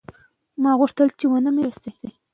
ناوخته خوراک د بدن د وازدې سوځېدو ته لږ فرصت ورکوي.